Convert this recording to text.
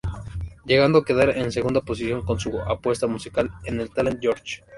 Llegando a quedar en segunda posición con su apuesta musical en el talent Jorge.